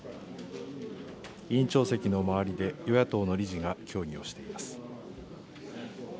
委員長席の周りで、与野党の理事が協議をしています。